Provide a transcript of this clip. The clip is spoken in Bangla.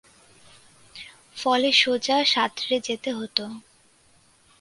ফলে সোজা সাঁতরে যেতে হত।